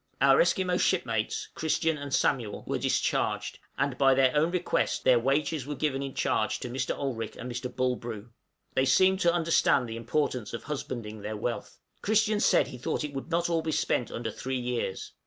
Our Esquimaux shipmates, Christian and Samuel, were discharged, and, by their own request their wages given in charge to Mr. Olrik and Mr. Bulbrue; they seemed to understand the importance of husbanding their wealth. Christian said he thought it would not be all spent under three years.